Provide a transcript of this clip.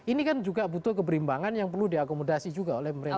ini kan juga butuh keberimbangan yang perlu diakomodasi juga oleh pemerintah